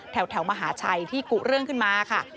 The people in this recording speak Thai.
แถวมหาชัยที่กุเรื่องขึ้นมาค่ะ